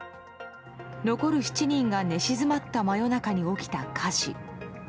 残る７人が寝静まった真夜中に起きた火事。